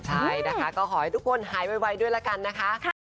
ใช่นะคะก็ขอให้ทุกคนหายไวด้วยละกันนะคะ